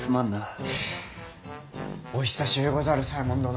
お久しゅうござる左衛門殿。